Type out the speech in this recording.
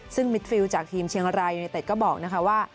ซึ่งมิดฟิลด์จากทีมเชียงไลอยู่ในเต็ดก็บอกว่า